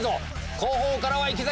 後方からは池崎。